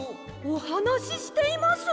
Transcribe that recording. おはなししています！